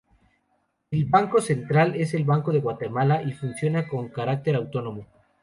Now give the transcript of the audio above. El Banco Central es el Banco de Guatemala y funciona con carácter autónomo.